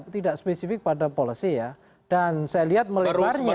tidak spesifik pada policy ya dan saya lihat melebarnya